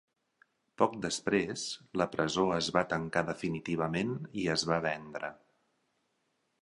Poc després, la presó es va tancar definitivament i es va vendre.